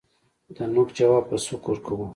دنوک جواب په سوک ورکوو